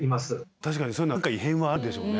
確かにそういうのは何か異変はあるんでしょうね。